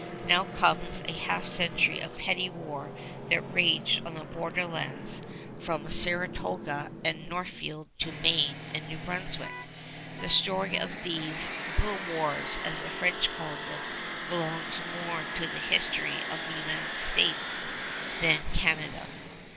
Now comes a half century of petty war that raged on the border lands from Saratoga and Northfield to Maine and New Brunswick. The story of these "little wars," as the French called them, belongs more to the history of the United States than Canada.